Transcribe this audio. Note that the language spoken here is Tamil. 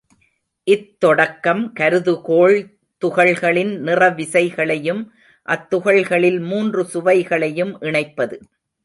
இத்தொடக்கம் கருதுகோள் துகள்களின் நிற விசைகளையும் அத்துகள்களில் மூன்று சுவைகளையும் இணைப்பது.